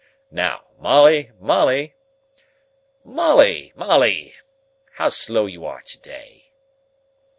Now, Molly, Molly, Molly, Molly, how slow you are to day!"